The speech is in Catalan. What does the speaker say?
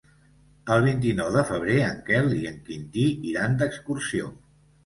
El vint-i-nou de febrer en Quel i en Quintí iran d'excursió.